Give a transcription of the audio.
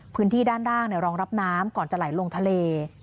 พื้นที่ด้านล่างรองรับน้ำก่อนจะไหลลงทะเล